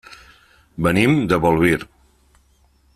Venim de Bolvir.